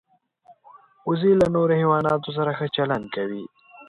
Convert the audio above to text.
وزې له نورو حیواناتو سره ښه چلند کوي